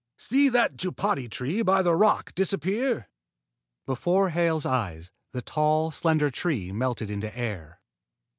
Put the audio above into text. See that jupati tree by the rock disappear?" Before Hale's eyes, the tall, slender tree melted into air.